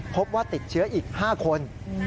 พบว่าติดเชื้ออีก๕คน